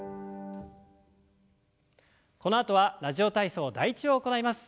このあとは「ラジオ体操第１」を行います。